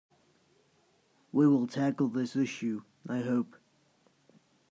We will tackle this issue, I hope.